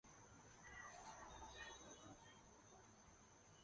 在游戏萤幕的最底部会显示目前所收集到的公仔数量。